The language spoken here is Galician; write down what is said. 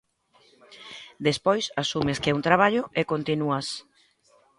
Despois asumes que é un traballo e continúas.